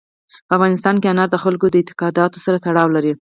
په افغانستان کې انار د خلکو د اعتقاداتو سره تړاو لري.